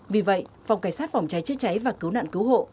vì vậy phòng cảnh sát phòng cháy chữa cháy và cứu nạn cứu hộ